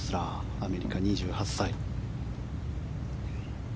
アメリカ、２８歳。